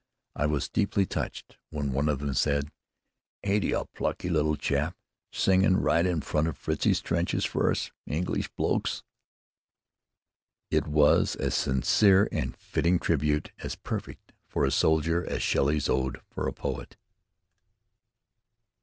I was deeply touched when one of them said: "Ain't 'e a plucky little chap, singin' right in front of Fritzie's trenches fer us English blokes?" It was a sincere and fitting tribute, as perfect for a soldier as Shelley's "Ode" for a poet.